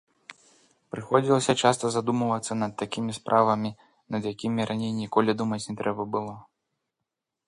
Прыходзілася часта задумвацца над такімі справамі, над якімі раней ніколі думаць не трэба было.